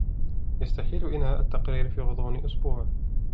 يستحيل إنهاء التقرير في غضون أسبوع.